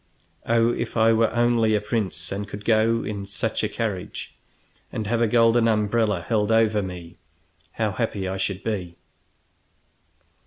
"Oh, if I were only a prince, and could go in such a carriage and have a golden umbrella held over me, how happy I should be!"